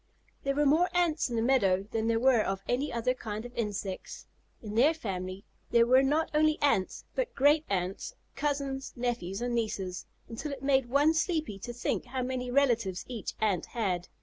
There were more Ants in the meadow than there were of any other kind of insects. In their family there were not only Ants, but great aunts, cousins, nephews, and nieces, until it made one sleepy to think how many relatives each Ant had.